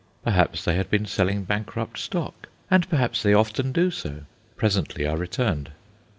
Perhaps they had been selling bankrupt stock, and perhaps they often do so. Presently I returned.